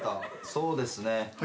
そうですね。